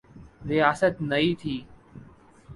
ریاست نئی تھی۔